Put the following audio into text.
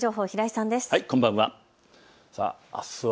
こんばんは。